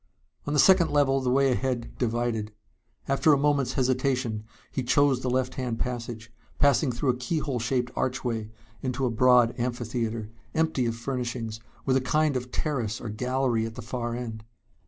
On the second level the way ahead divided. After a moment's hesitation he chose the left hand passage, passing through a keyhole shaped archway into a broad amphitheater, empty of furnishings, with a kind of terrace or gallery at the far end.